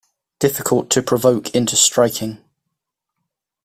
Difficult to provoke into striking.